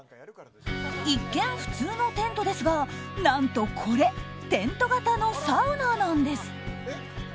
一見、普通のテントですが何とこれテント型のサウナなんです。